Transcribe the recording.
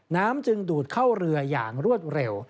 น้ำจึงดูดเข้าเรืออย่างรวดเร็ว